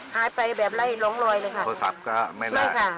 หายไปแบบไล่ร้องรอยเลยค่ะโทรศัพท์ก็ไม่ลอยค่ะ